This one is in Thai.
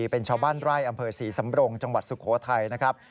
เป็นชาวบ้านไร่อำเภอศรีสำรงจังหวัดสุโขทัยนะครับ